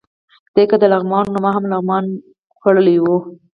دی که د لغمان و، نو ما هم لغمان خوړلی و.